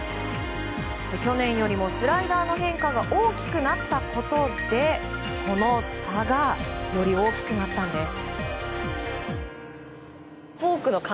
去年よりもスライダーの変化が大きくなったことでこの差がより大きくなったんです。